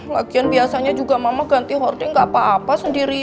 lagian biasanya juga mama ganti hording gak apa apa sendiri